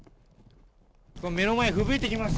これ、目の前ふぶいてきました。